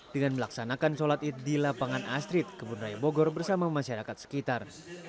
dengan melaksanakan sholat id di lapangan astrid kebun raya bogor bersama masyarakat sekitar